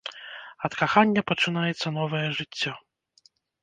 Ад кахання пачынаецца новае жыццё.